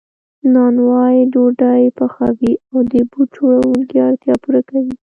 نانوای ډوډۍ پخوي او د بوټ جوړونکي اړتیا پوره کوي